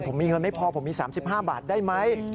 ผมมีเงินไม่พอผมมี๓๕บาทได้ไหม